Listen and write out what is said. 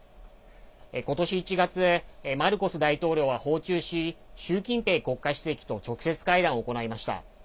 今年１月マルコス大統領は訪中し習近平国家主席と直接会談を行いました。